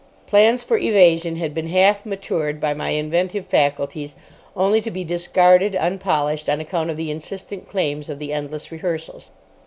Plans for evasion had been half matured by my inventive faculties, only to be discarded, unpolished, on account of the insistent claims of the endless rehearsals.